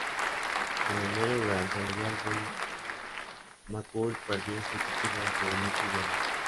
En enero durante el Royal Rumble, McCool perdió su título ante Mickie James.